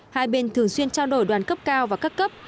hai bên thường xuyên trao đổi đoàn cấp cao và các cấp